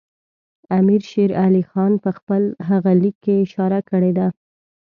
امیر شېر علي خان په خپل هغه لیک کې اشاره کړې ده.